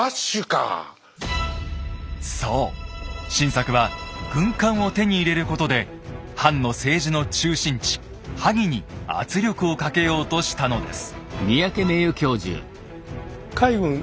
そう晋作は軍艦を手に入れることで藩の政治の中心地萩に圧力をかけようとしたのです。